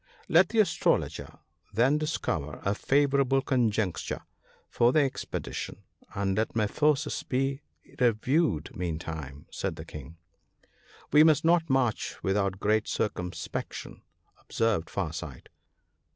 " Let the Astrologer then discover a favourable con juncture for the expedition, and let my forces be re viewed meantime," said the King. "We must not march without great circumspection," observed Far sight.